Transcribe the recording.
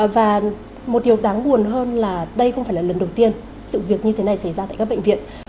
và một điều đáng buồn hơn là đây không phải là lần đầu tiên sự việc như thế này xảy ra tại các bệnh viện